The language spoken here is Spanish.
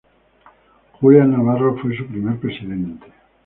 Julian Navarro fue su primer presidente.